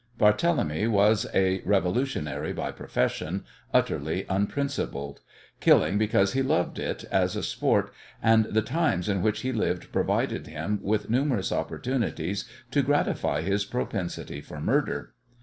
Barthélemy was a revolutionary by profession, utterly unprincipled; killing because he loved it as a sport, and the times in which he lived provided him with numerous opportunities to gratify his propensity for murder.